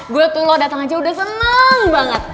gue tuh lo datang aja udah seneng banget